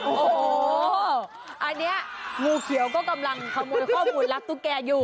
โอ้โหอันนี้งูเขียวก็กำลังขโมยข้อมูลรักตุ๊กแกอยู่